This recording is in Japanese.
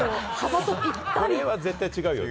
これ絶対、違うよね。